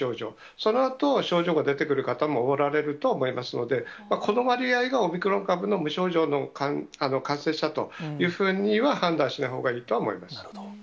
そのあと、症状が出てくる方もおられるとは思いますので、この割合がオミクロン株の無症状の感染者というふうには判断しななるほど。